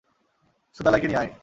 সুদালাইকে নিয়ে আয়।